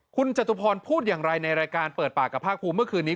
คุณจตุพรพูดอย่างไรในรายการเปิดปากกับภาคภูมิเมื่อคืนนี้